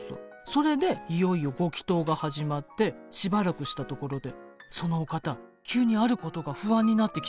それでいよいよご祈とうが始まってしばらくしたところでそのお方急にあることが不安になってきたんですって。